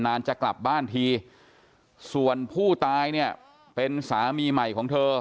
นานจะกลับบ้านทีส่วนผู้ตายเนี่ยเป็นสามีใหม่ของเธอ